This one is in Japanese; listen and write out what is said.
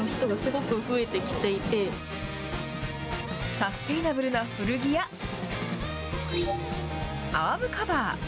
サステイナブルな古着や、アームカバー。